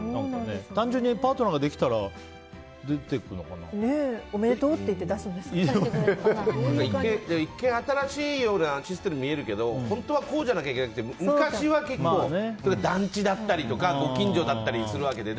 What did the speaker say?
単純にパートナーができたらおめでとうって言って一見、新しいようなシステムにも見えるけど本当はこうじゃなきゃいけないというか、昔って団地だったりとかご近所だったりするわけで。